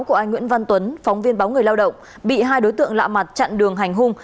của anh nguyễn văn tuấn phóng viên báo người lao động bị hai đối tượng lạ mặt chặn đường hành hung